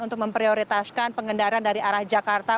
untuk memprioritaskan pengendara dari arah jakarta